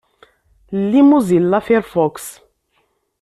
Lli Mozilla Firefox.